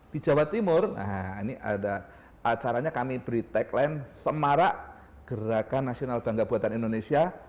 di jawa timur nah ini ada acaranya kami beri tagline semarak gerakan nasional bangga buatan indonesia